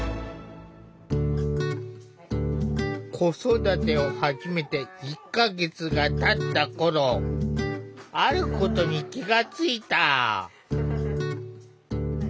子育てを始めて１か月がたった頃あることに気が付いた。